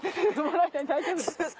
大丈夫ですか？